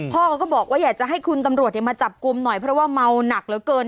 เขาก็บอกว่าอยากจะให้คุณตำรวจมาจับกลุ่มหน่อยเพราะว่าเมาหนักเหลือเกิน